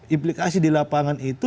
implikasi di lapangan itu